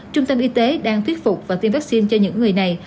trung tâm y tế đang thuyết phục và tiêm vaccine cho những người này